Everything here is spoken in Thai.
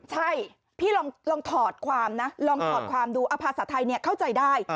ใช่พี่ลองถอดความนะลองถอดความดูเอาภาษาไทยเข้าใจได้